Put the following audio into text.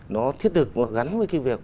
nó thiết thực gắn với cái việc